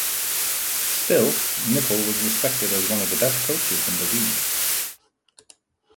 Still, Nicol was respected as one of the best coaches in the league.